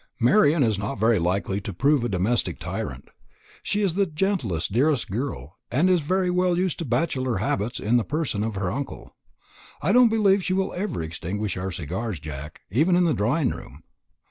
"Marian is not very likely to prove a domestic tyrant. She is the gentlest dearest girl, and is very well used to bachelor habits in the person of her uncle. I don't believe she will ever extinguish our cigars, Jack, even in the drawing room.